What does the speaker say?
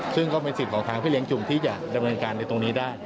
ซึ่งก็เป็นสิทธิ์ของทางพี่เลี้ยจุงที่จะดำเนินการในตรงนี้ได้